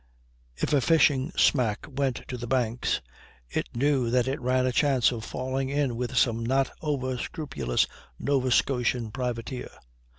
If a fishing smack went to the Banks it knew that it ran a chance of falling in with some not over scrupulous Nova Scotian privateer.